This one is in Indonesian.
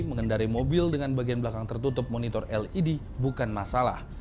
mengendari mobil dengan bagian belakang tertutup monitor led bukan masalah